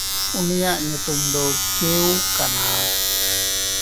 ᱩᱱᱤᱭᱟᱜ ᱧᱩᱛᱩᱢ ᱫᱚ ᱠᱮᱣ ᱠᱟᱱᱟ᱾